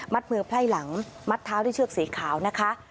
มือไพร่หลังมัดเท้าด้วยเชือกสีขาวนะคะ